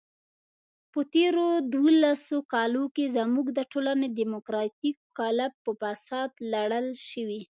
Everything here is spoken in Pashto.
په تېرو دولسو کالو کې زموږ د ټولنې دیموکراتیک قالب په فساد لړل شوی.